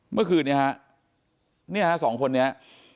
เมื่อคืนนี้ฮะเนี่ยฮะสองคนนี้